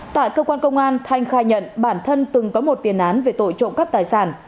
tại cơ quan công an thanh khai nhận bản thân từng có một tiền án về tội trộm cắp tài sản